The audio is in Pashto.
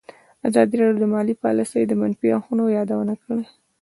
ازادي راډیو د مالي پالیسي د منفي اړخونو یادونه کړې.